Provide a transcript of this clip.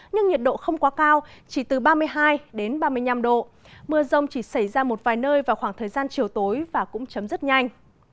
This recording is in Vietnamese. nhưng nhiệt độ không quá cao chỉ từ ba mươi hai ba mươi năm độ mưa rông chỉ xảy ra một vài nơi vào khoảng thời gian chiều tối và cũng chấm dứt nhanh